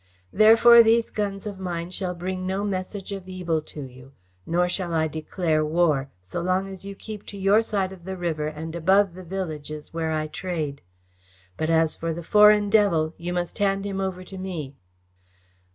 Therefore these guns of mine shall bring no message of evil to you, nor shall I declare war, so long as you keep to your side of the river and above the villages where I trade. But as for the foreign devil, you must hand him over to me."